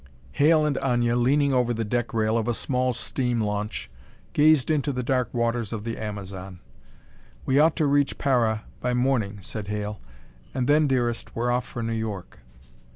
Hale and Aña, leaning over the deck rail of a small steam launch, gazed into the dark waters of the Amazon. "We ought to reach Para by morning," said Hale, "and then, dearest, we're off for New York!"